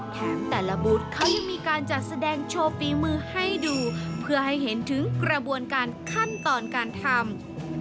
แถมแต่ละบุตรเขายังมีการจัดแสดงโชว์ฝีมือให้ดูเพื่อให้เห็นถึงกระบวนการขั้นตอนการทำ